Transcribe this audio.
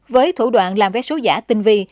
với thủ đoạn làm vé số giả tinh vi